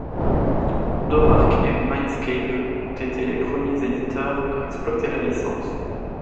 Domark et Mindscape ont été les premiers éditeurs à exploiter la licence.